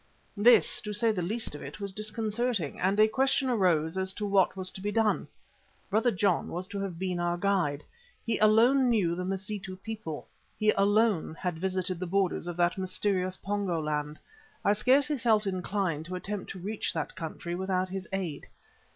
This, to say the least of it, was disconcerting, and a question arose as to what was to be done. Brother John was to have been our guide. He alone knew the Mazitu people; he alone had visited the borders of the mysterious Pongo land, I scarcely felt inclined to attempt to reach that country without his aid.